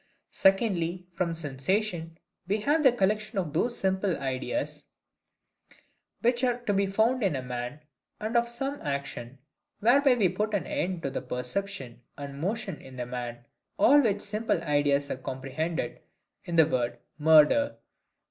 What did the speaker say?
Secondly, from SENSATION we have the collection of those simple sensible ideas which are to be found in a man, and of some action, whereby we put an end to perception and motion in the man; all which simple ideas are comprehended in the word murder.